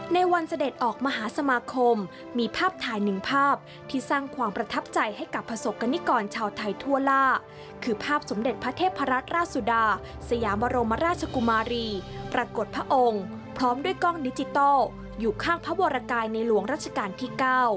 ในวันเสด็จออกมหาสมาคมมีภาพถ่ายหนึ่งภาพที่สร้างความประทับใจให้กับประสบกรณิกรชาวไทยทั่วล่าคือภาพสมเด็จพระเทพรัตนราชสุดาสยามบรมราชกุมารีปรากฏพระองค์พร้อมด้วยกล้องดิจิทัลอยู่ข้างพระวรกายในหลวงรัชกาลที่๙